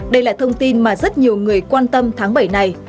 đây là thông tin mà rất nhiều người quan tâm tháng bảy này